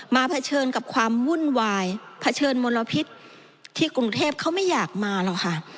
เผชิญกับความวุ่นวายเผชิญมลพิษที่กรุงเทพเขาไม่อยากมาหรอกค่ะ